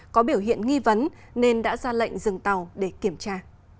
có biểu hiện nghi vấn nên đã ra lệnh dừng tàu để kiểm tra